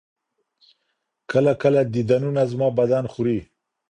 كله ،كله ديدنونه زما بــدن خــوري